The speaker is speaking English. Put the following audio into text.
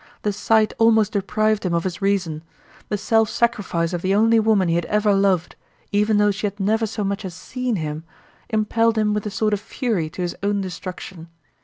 The sight almost deprived him of his reason. The self sacrifice of the only woman he had ever loved, even though she had never so much as seen him, impelled him with a sort of fury to his own destruction.